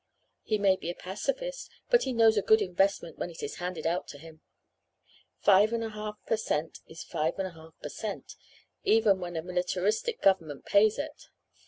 He may be a pacifist, but he knows a good investment when it is handed out to him. Five and a half per cent is five and a half per cent, even when a militaristic government pays it.